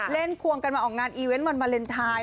เล่นควงกันมาออกงานอีเวนต์เมื่อเมื่อเวลนไทย